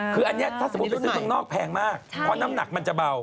คืออันนี้ถ้าสมมุติไปซื้อเมืองนอกแพงมากเพราะน้ำหนักมันจะเบา